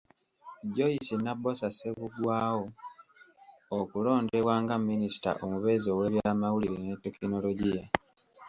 Joyce Nabbosa Ssebuggwawo okulondebwa nga Minisita omubeezi ow'ebyamawulire ne Tekinologiya.